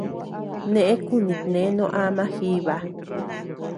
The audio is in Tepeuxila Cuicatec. Neʼë kunitnee noo ama jiiba.